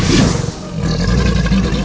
saya akan keluar